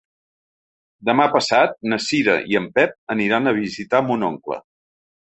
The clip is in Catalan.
Demà passat na Cira i en Pep aniran a visitar mon oncle.